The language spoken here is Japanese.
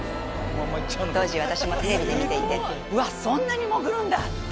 当時私もテレビで見ていてうわっそんなに潜るんだ！って